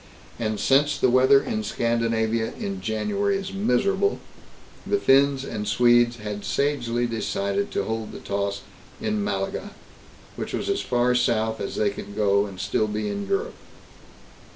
And since the weather in Scandinavia in January is miserable, the Finns and Swedes had sagely decided to hold the toss in Malaga, which was as far south as they could go and still be in Europe.